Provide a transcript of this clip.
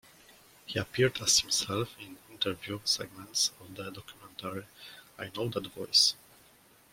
He appeared as himself in interview segments of the documentary, "I Know That Voice".